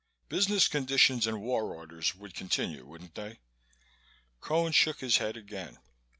Business conditions and war orders would continue, wouldn't they?" Cone shook his head again.